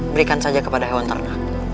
berikan saja kepada tuhan